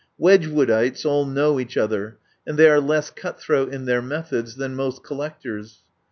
Wedg woodites all know each other, and they are less cut throat in their methods than most col lectors.